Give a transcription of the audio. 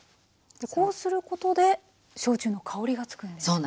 こうすることで焼酎の香りが付くんですね？